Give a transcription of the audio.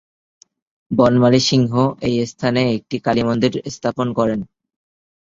বনমালী সিংহ এই স্থানে একটি কালীমন্দির স্থাপন করেন।